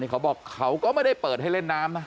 เขาก็ไม่ได้เปิดให้เล่นน้ำนะ